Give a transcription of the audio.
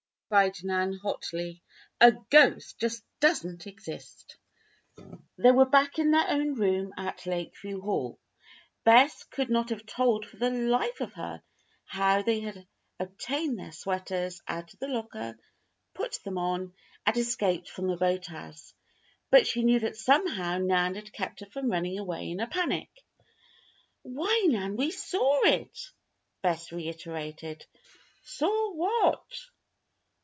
cried Nan, hotly. "A ghost just doesn't exist!" They were back in their own room at Lakeview Hall. Bess could not have told for the life of her how they had obtained their sweaters out of the locker, put them on, and escaped from the boathouse. But she knew that somehow Nan had kept her from running away in a panic. "Why, Nan, we saw it!" Bess reiterated. "Saw what?"